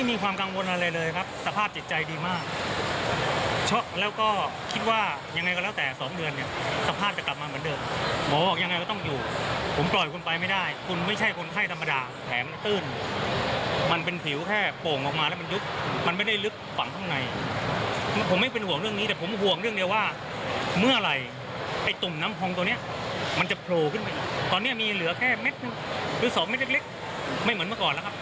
มันจะโผล่ขึ้นไปอีกตอนนี้มีเหลือแค่เม็ดนึงคือสองเม็ดเล็กไม่เหมือนเมื่อก่อนแล้วครับ